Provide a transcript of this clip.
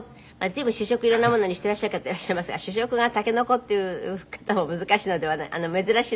随分主食色んなものにしていらっしゃる方いらっしゃいますが主食が竹の子っていう方は珍しいのではないかと思いますが。